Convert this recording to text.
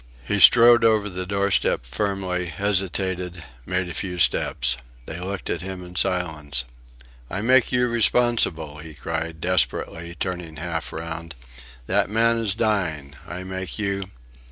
He strode over the doorstep firmly hesitated made a few steps. They looked at him in silence. "I make you responsible!" he cried, desperately, turning half round. "That man is dying. I make you..